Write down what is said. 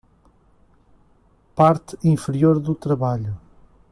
Parte inferior do trabalho